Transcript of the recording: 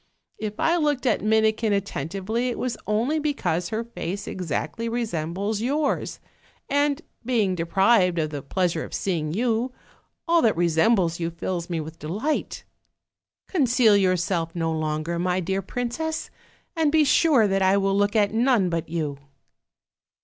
If I looked at Mini kin attentively it was only because her face exactly re sembles yours, and, being deprived of the pleasure of seeing you, all that resembles you fills me with delight. Conceal yourself no longer, my dear princess, and be sure that I will look at none but you."